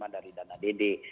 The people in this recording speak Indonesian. delapan lima dari dana dd